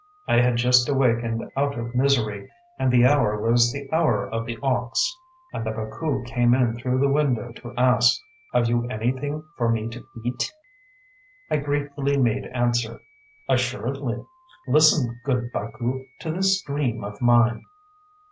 I had just awakened out of misery; and the hour was the Hour of the Ox; and the Baku came in through the window to ask, "Have you anything for me to eat?" I gratefully made answer: "Assuredly!... Listen, good Baku, to this dream of mine!